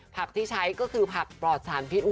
ผักที่ใช้ก็คือผักปลอดสารพิษ